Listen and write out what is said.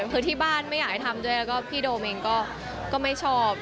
คือที่บ้านไม่อยากให้ทำด้วยแล้วก็พี่โดมเองก็ไม่ชอบ